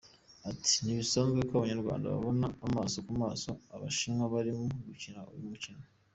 Ati: ”Ntibisanzwe ko Abanyarwanda babona amaso ku maso Abashinwa barimo gukina uyu mukino.